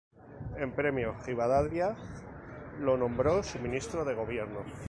En premio, Rivadavia lo nombró su Ministro de Gobierno.